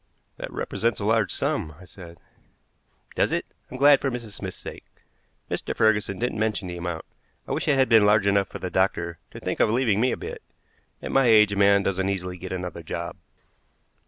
"That represents a large sum," I said. "Does it? I'm glad for Mrs. Smith's sake. Mr. Ferguson didn't mention the amount. I wish it had been large enough for the doctor to think of leaving me a bit. At my age a man doesn't easily get another job."